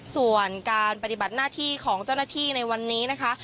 ส่วนการปฏิบัติหน้าที่ของเจ้าหน้าที่ในวันนี้นะคะ